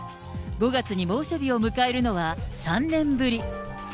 ５月に猛暑日を迎えるのは３年ぶり。